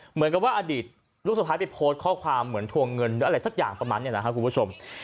เหมือนกับว่าอดีตลูกสะพ้ายไปโพสต์ข้อความเหมือนทวงเงินหรืออะไรสักอย่างประมาณนี้นะครับคุณผู้ชม